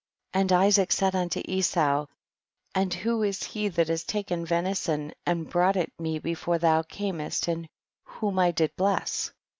9. And Isaac said unto Esau, and who was he that has taken venison and brought it me before thou earnest and whom I did bless